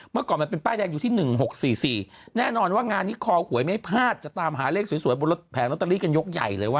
เมื่อก่อนมันเป็นป้ายแดงอยู่ที่๑๖๔๔แน่นอนว่างานนี้คอหวยไม่พลาดจะตามหาเลขสวยบนรถแผงลอตเตอรี่กันยกใหญ่เลยว่า